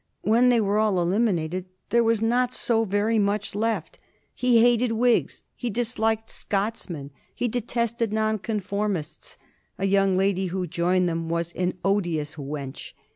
When they were all eliminated there was not so very much left. He hated Whigs. He disliked Scotsmen. He detested Nonconformists (a young lady who joined them was "an odious wench").